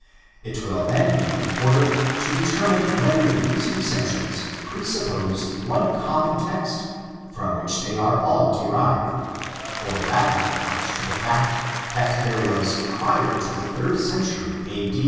It will then be in order to determine whether these recensions presuppose one common text from which they are all derived, or rather point to the fact that there was prior to the third century a.